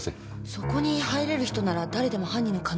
そこに入れる人なら誰でも犯人の可能性ありますよね？